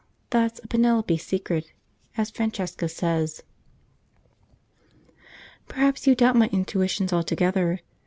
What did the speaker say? that's a 'Penelope secret,' as Francesca says. Perhaps you doubt my intuitions altogether.